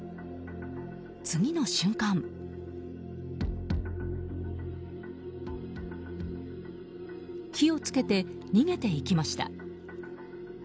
次の瞬間火を付けて逃げていきました。